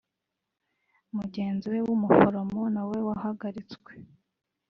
Mugenzi we w’umuforomo nawe wahagaritswe